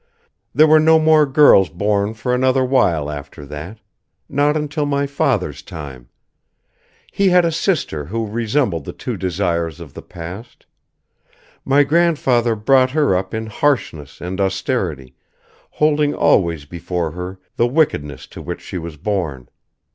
There were no more girls born for another while after that. Not until my father's time. He had a sister who resembled the two Desires of the past. My grandfather brought her up in harshness and austerity, holding always before her the wickedness to which she was born.